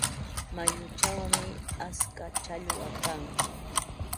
Mayuchawmi atska challwa kan.